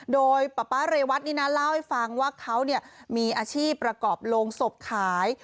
โดยป๊าป๊าเรวัตนี่นะเล่าให้ฟังว่าเขามีอาชีพประกอบโรงศพขาย